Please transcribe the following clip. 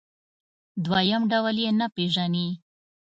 دویم ډول یې نه پېژني.